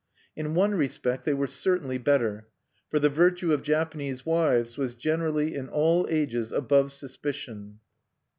In one respect they were certainly better; for the virtue of Japanese wives was generally in all ages above suspicion(1).